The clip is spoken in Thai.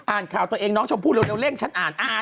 อ่านข่าวตัวเองน้องชมพู่เร็วเร่งฉันอ่าน